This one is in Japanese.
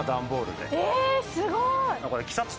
すごい。